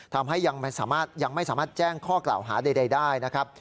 ทำให้ยังไม่สามารถแจ้งข้อกล่าวหาใดได้นะครับ